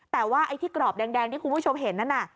แต่ว่าไอ้ที่กรอบแดงที่คุณผู้ชมเห็นนั่นน่ะ